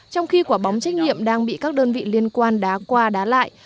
trong khi quả bóng trách nhiệm đang bị các đơn vị liên quan đá qua đá lại